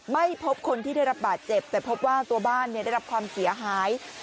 ไม่พบคนที่ได้รับบาดเจ็บแต่พบว่าตัวบ้านได้รับความเสียหาย